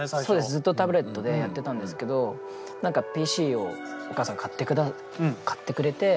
ずっとタブレットでやってたんですけど何かＰＣをお母さんが買ってくれて。